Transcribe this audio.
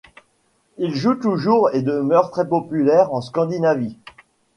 Il joue toujours et demeure très populaire en Scandinavie.